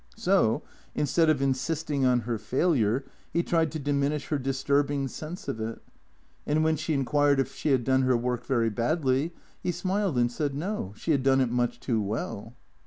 So, instead of insisting on her failure, he tried to diminish T H E C E E A T 0 K S 157 her disturbing sense of it; and when she inquired if she had done her work very badly, he smiled and said, No, she had done it much too well.